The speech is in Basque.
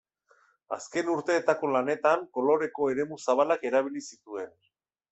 Azken urteetako lanetan koloreko eremu zabalak erabili zituen.